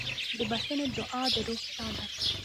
د بښنې دعا د روح ساه ده.